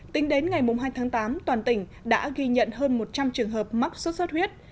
tính đến ngày hai tháng tám toàn tỉnh đã ghi nhận hơn một trăm linh trường hợp mắc sốt xuất huyết